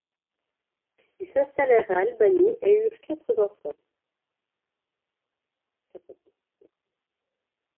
Ils s'installèrent à Albany et eurent quatre enfants.